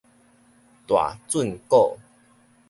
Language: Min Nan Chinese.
大圳嘏